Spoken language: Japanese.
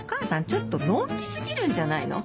ちょっとのんき過ぎるんじゃないの？